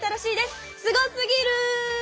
すごすぎる！